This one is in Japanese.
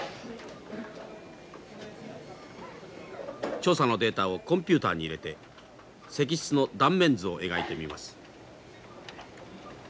調査のデータをコンピューターに入れて石室の断面図を描いてみます。